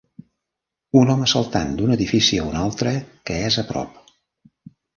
un home saltant d'un edifici a un altre que és a prop